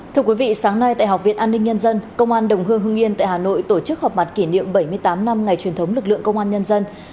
thưa quý vị sáng nay tại học viện an ninh nhân dân công an đồng hương hương yên tại hà nội tổ chức họp mặt kỷ niệm bảy mươi tám năm ngày truyền thống lực lượng công an nhân dân